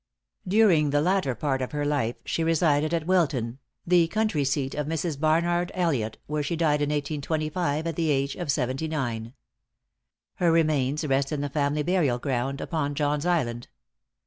During the latter part of her life, she resided at Wilton, the country seat of Mrs. Barnard Elliott, where she died in 1825, at the age of seventy nine. Her remains rest in the family burial ground upon John's Island.